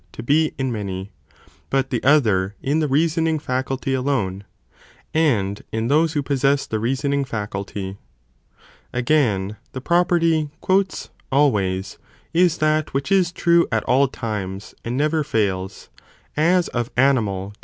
to be in many, but the other in the reasoning faculty alone, and in those who possess the reasoning faculty. panes Again, the property "always" is that which is that "always" true at all times and never fails, as of animal to 4nd "some.